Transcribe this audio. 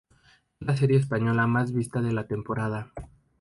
Es la serie española más vista de la temporada.